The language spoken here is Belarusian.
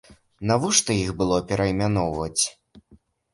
Навошта іх было пераймяноўваць?!